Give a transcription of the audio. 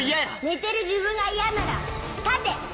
寝てる自分が嫌なら立て！